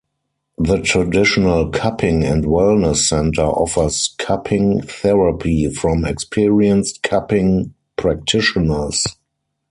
The Traditional Cupping and Wellness Center offers cupping therapy from experienced cupping practitioners.